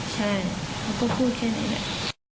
ใช่เขาก็พูดแค่นี้แหละ